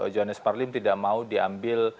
johannes marlim tidak mau diambil